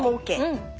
うん。